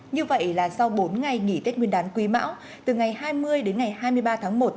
như vậy là sau bốn ngày nghỉ tết nguyên đán quý mão từ ngày hai mươi đến ngày hai mươi ba tháng một